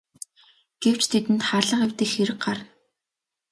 Гэвч тэдэнд хаалга эвдэх хэрэг гарна.